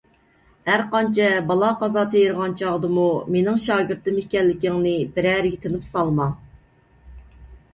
ھەرقانچە بالا - قازا تېرىغان چاغدىمۇ، مېنىڭ شاگىرتىم ئىكەنلىكىڭنى بىرەرىگە تىنىپ سالما.